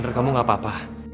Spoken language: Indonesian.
menurut kamu gak apa apa